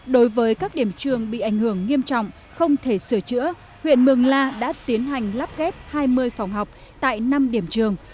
đối với các điểm trường bị ảnh hưởng nghiêm trọng không thể sửa chữa huyện mường la đã tiến hành lắp ghép hai mươi phòng học tại năm điểm trường